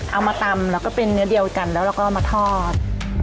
เอามาตำแล้วก็เป็นเนื้อเดียวกันแล้วเราก็มาทอด